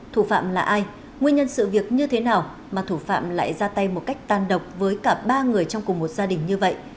thủ phạm là ai nguyên nhân sự việc như thế nào mà thủ phạm lại ra tay một cách tan độc với cả ba người trong cùng một gia đình như vậy